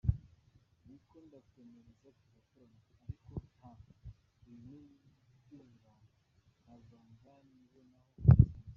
ni uko ndamwemerera turakorana ariko nta bintu by’uburanga, nta buranga nibonaho budasanzwe.